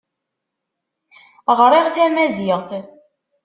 Ɣriɣ tamaziɣt.